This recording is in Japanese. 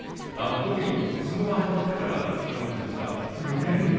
特に相撲が始まってから気温が少し下がってきましたね。